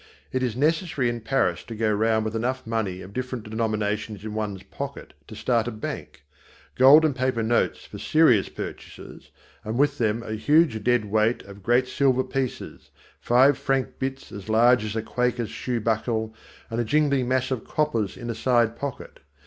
It is necessary in Paris to go round with enough money of different denominations in one's pocket to start a bank gold and paper notes for serious purchases, and with them a huge dead weight of great silver pieces, five franc bits as large as a Quaker's shoebuckle, and a jingling mass of coppers in a side pocket.